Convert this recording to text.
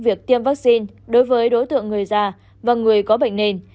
việc tiêm vaccine đối với đối tượng người già và người có bệnh nền